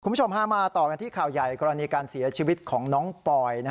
คุณผู้ชมพามาต่อกันที่ข่าวใหญ่กรณีการเสียชีวิตของน้องปอย